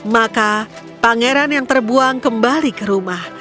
maka pangeran yang terbuang kembali ke rumah